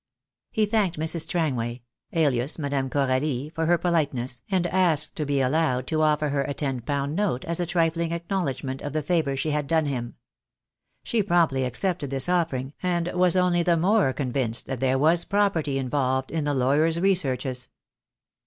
He thanked Mrs. Strangway — alias Madame Coralie — for her politeness, and asked to be allowed to offer her a ten pound note as a trifling acknowledgment of the favour she had done him. She promptly accepted this offering, and was only the more convinced that there was "property" involved in the lawyer's researches.